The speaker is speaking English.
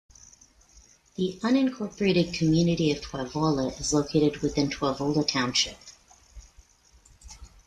The unincorporated community of Toivola is located within Toivola Township.